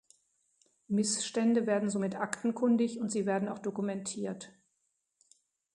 Missstände werden somit aktenkundig, und sie werden auch dokumentiert.